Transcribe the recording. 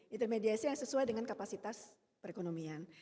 intermediasi yang sesuai dengan kapasitas perekonomian